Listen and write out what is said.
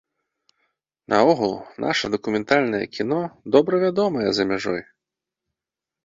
Наогул, наша дакументальнае кіно добра вядомае за мяжой.